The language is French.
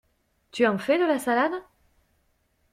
Tu en fais de la salade?